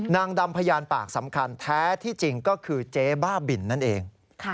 นางดำพยานปากสำคัญแท้ที่จริงก็คือเจ๊บ้าบินนั่นเอง